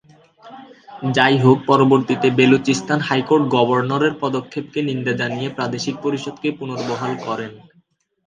যাইহোক পরবর্তীতে, বেলুচিস্তান হাইকোর্ট গভর্নরের পদক্ষেপকে নিন্দা জানিয়ে প্রাদেশিক পরিষদকে পুনর্বহাল করেন।